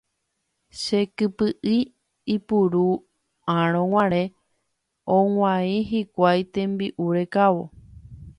Chekypy'y ipuru'ãrõguare ohua'ĩ hikuái tembi'u rekávo.